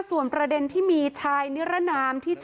ปืนมันลั่นไปใส่แฟนสาวเขาก็ยังยันกับเราเหมือนเดิมแบบนี้นะคะ